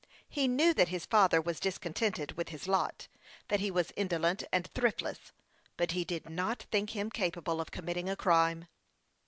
He knew that his father was discontented with his lot ; that he was indolent and thriftless ; but he did not think him capable of committing a crime.